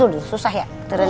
aduh susah ya